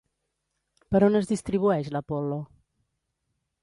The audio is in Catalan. Per on es distribueix l'apol·lo?